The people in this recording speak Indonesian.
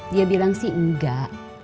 dia bilang sih enggak